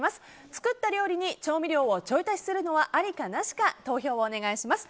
作った料理に調味料をちょい足しするのはありかなしか投票をお願いします。